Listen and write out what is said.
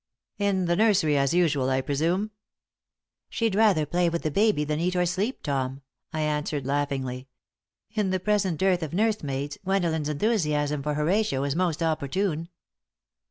"In the nursery, as usual, I presume?" "She'd rather play with the baby than eat or sleep, Tom," I answered laughingly. "In the present dearth of nursemaids, Gwendolen's enthusiasm for Horatio is most opportune."